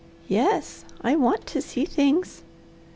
"Yes, I want to see things.